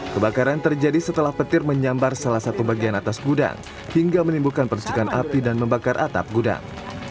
kebakaran terjadi setelah petir menyambar salah satu bagian atas gudang hingga menimbulkan percikan api dan membakar atap gudang